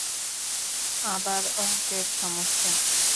আবার অংকের সমস্যা?